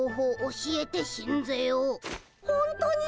ほんとに！？